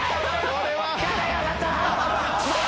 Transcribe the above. これは。